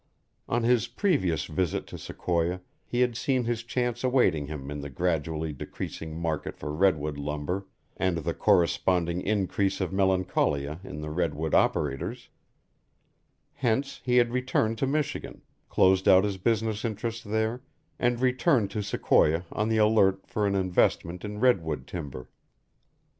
On his previous visit to Sequoia he had seen his chance awaiting him in the gradually decreasing market for redwood lumber and the corresponding increase of melancholia in the redwood operators; hence he had returned to Michigan, closed out his business interests there, and returned to Sequoia on the alert for an investment in redwood timber.